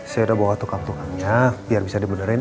saya udah bawa tukang tukangnya biar bisa dibenerin